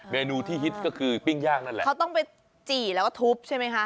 เมนูที่ฮิตก็คือปิ้งย่างนั่นแหละเขาต้องไปจี่แล้วก็ทุบใช่ไหมคะ